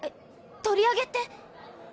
取り上げって。